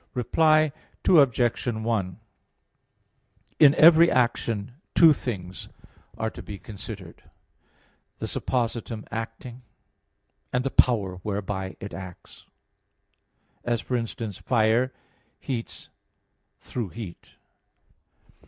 Reply Obj. 1: In every action two things are to be considered, the suppositum acting, and the power whereby it acts; as, for instance, fire heats through heat.